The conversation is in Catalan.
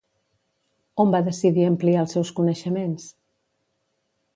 On va decidir ampliar els seus coneixements?